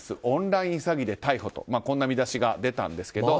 オンライン詐欺で逮捕とこんな見出しが出たんですが。